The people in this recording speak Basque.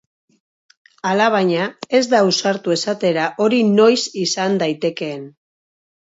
Alabaina, ez da ausartu esatera hori noiz izan daitekeen.